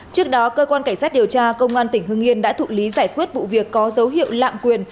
trước đó cơ quan cảnh sát điều tra công an tỉnh hưng yên đã thụ lý giải quyết vụ việc có dấu hiệu lạm quyền